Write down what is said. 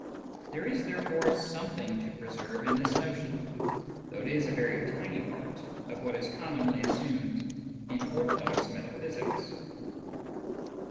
There is therefore something to preserve in this notion, though it is a very tiny part of what is commonly assumed in orthodox metaphysics.